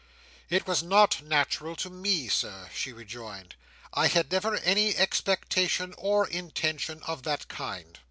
"It was not natural to me, Sir," she rejoined. "I had never any expectation or intention of that kind."